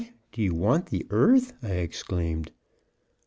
do you want the earth?" I exclaimed.